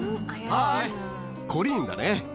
はーい、コリーンだね。